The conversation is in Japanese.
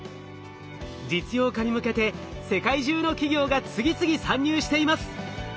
実用化に向けて世界中の企業が次々参入しています。